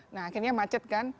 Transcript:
nah akhirnya macet kan